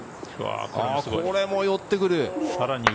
これも寄ってくる。